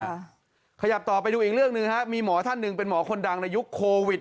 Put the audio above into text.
ขยับต่อไปดูอีกเรื่องหนึ่งฮะมีหมอท่านหนึ่งเป็นหมอคนดังในยุคโควิด